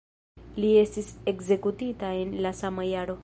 Li estis ekzekutita en la sama jaro.